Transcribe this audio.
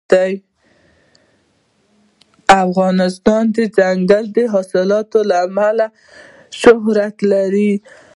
افغانستان د دځنګل حاصلات له امله شهرت لري.